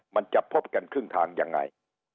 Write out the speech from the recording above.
มันจะพบกันครึ่งทางยังไง